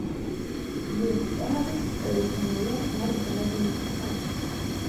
Жыг къуагъым къыкъуэувауэ, ар бажэм илъэгъуащ.